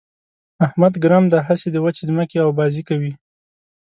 احمد ګرم دی؛ هسې د وچې ځمکې اوبازي کوي.